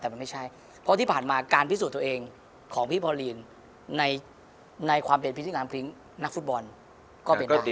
แต่มันไม่ใช่เพราะที่ผ่านมาการพิสูจน์ตัวเองของพี่พอลีนในความเป็นพิธีงามพริ้งนักฟุตบอลก็เป็นได้ดี